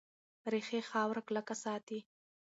ریښې خاوره کلکه ساتي.